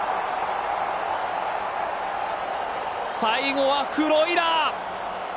最後はフロイラー。